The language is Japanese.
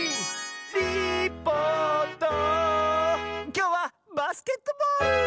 きょうは「バスケットボール」！